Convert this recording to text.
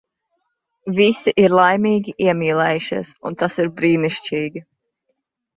Visi ir laimīgi, iemīlējušies. Un tas ir brīnišķīgi.